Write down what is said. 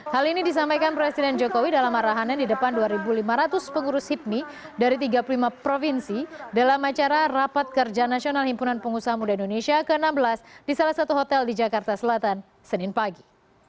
hal ini disampaikan presiden jokowi dalam arahannya di depan dua lima ratus pengurus hipmi dari tiga puluh lima provinsi dalam acara rapat kerja nasional himpunan pengusaha muda indonesia ke enam belas di salah satu hotel di jakarta selatan senin pagi